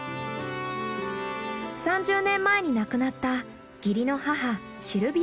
３０年前に亡くなった義理の母シルビアさん。